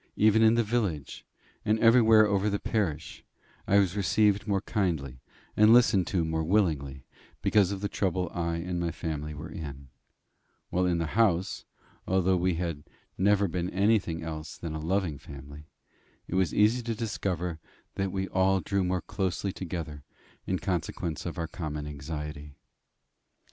Even in the village, and everywhere over the parish, I was received more kindly, and listened to more willingly, because of the trouble I and my family were in; while in the house, although we had never been anything else than a loving family, it was easy to discover that we all drew more closely together in consequence of our common anxiety.